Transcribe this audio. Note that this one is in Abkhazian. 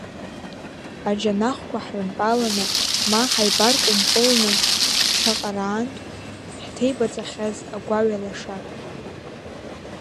Аџьанахқәа ҳрынтәаланы ма ҳаибаркәымпылны шаҟараантә ҳҭеибаҵахьаз агәаҩа лаша!